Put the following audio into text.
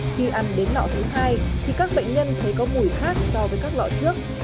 khi ăn đến nọ thứ hai thì các bệnh nhân thấy có mùi khác so với các lọ trước